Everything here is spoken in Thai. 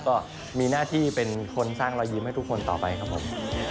ก็มีหน้าที่เป็นคนสร้างรอยยิ้มให้ทุกคนต่อไปครับผม